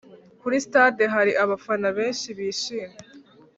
kuri stade hari abafana benshi bishimye